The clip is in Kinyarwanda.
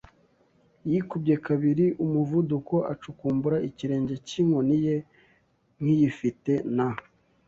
yikubye kabiri umuvuduko, acukumbura ikirenge cy'inkoni ye nk'iyifite; na